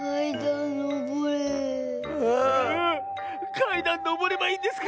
かいだんのぼればいいんですか？